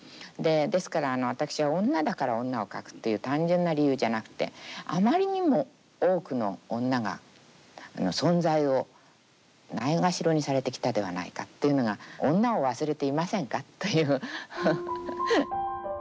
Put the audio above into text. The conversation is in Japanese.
ですから私は女だから女を書くという単純な理由じゃなくてあまりにも多くの女が存在をないがしろにされてきたではないかっていうのが「女を忘れていませんか？」という。